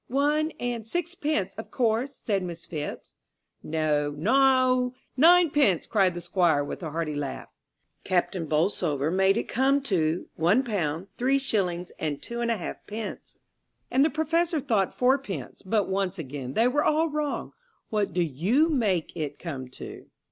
"One and sixpence, of course," said Miss Phipps. "No, no; ninepence," cried the Squire with a hearty laugh. Captain Bolsover made it come to £l 3s. 2 1/2d., and the Professor thought fourpence. But once again they were all wrong. What do you make it come to?